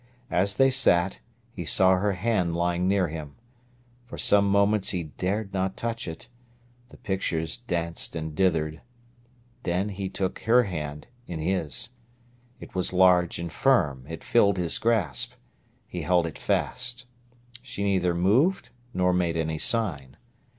As they sat, he saw her hand lying near him. For some moments he dared not touch it. The pictures danced and dithered. Then he took her hand in his. It was large and firm; it filled his grasp. He held it fast. She neither moved nor made any sign.